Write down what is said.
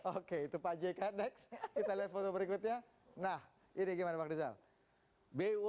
oke itu pajet dan next kita lihat foto berikutnya nah ini gimana waktu bumn return on aset hanya